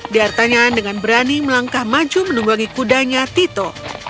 dia bertanya dengan berani melangkah maju menunggangi kudanya tito